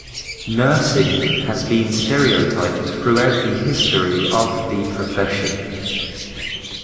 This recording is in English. Nursing has been stereotyped throughout the history of the profession.